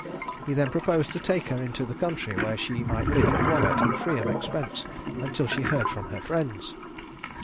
He then proposed to take her into the country, where she might live quiet, and free of expense, until she heard from her friends.